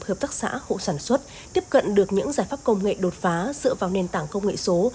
hợp tác xã hộ sản xuất tiếp cận được những giải pháp công nghệ đột phá dựa vào nền tảng công nghệ số